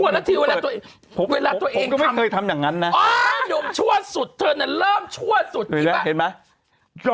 เวลาตัวเองเพิ่งให้ทำอย่างงั้นนะชั่วสุดเธอน่ะเริ่มดูแลเห็นไหม